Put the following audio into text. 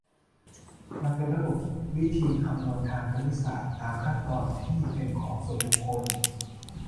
มันเป็นระบบวิธีคำนวณทางคณิตศาสตร์ตามขั้นตอนที่เป็นของส่วนบุคคล